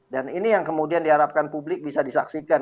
dan ini yang kemudian diharapkan publik bisa disaksikan